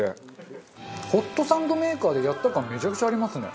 ホットサンドメーカーでやった感めちゃくちゃありますね。